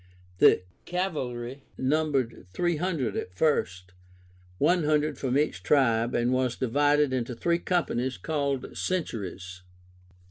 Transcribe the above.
The cavalry numbered three hundred at first, one hundred from each tribe, and was divided into three companies called Centuries.